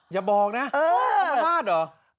อย่าบอกนะเอามาลาดเหรอ